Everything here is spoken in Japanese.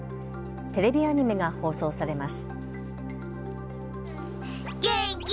テレビアニメが放送されます。